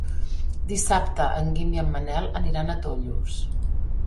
Dissabte en Guim i en Manel aniran a Tollos.